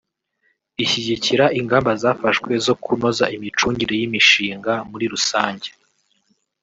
ishyigikira ingamba zafashwe zo kunoza imicungire y’imishinga muri rusange